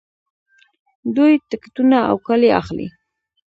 دوی ټکټونه او کالي اخلي.